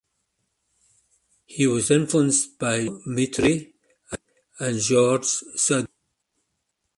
He was influenced by Jean Mitry and Georges Sadoul.